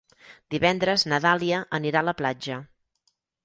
Divendres na Dàlia anirà a la platja.